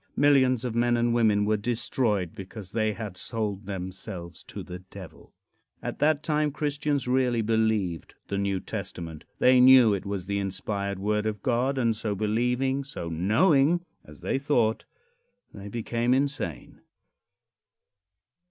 Millions of men and women were destroyed because they had sold themselves to the Devil. At that time Christians really believed the New Testament. They knew it was the inspired word of God, and so believing, so knowing as they thought they became insane.